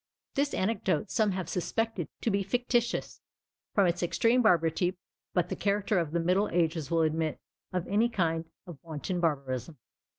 This anecdote some have suspected to be fictitious, from its extreme barbarity; but the character of the middle ages will admit of any kind of wanton barbarism.